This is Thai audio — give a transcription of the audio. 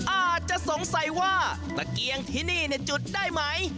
อาจจะสงสัยว่าตะเกียงที่นี่จุดได้ไหม